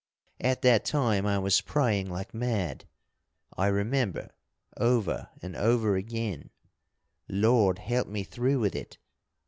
At that time I was praying like mad, I remember, over and over again: 'Lord help me through with it!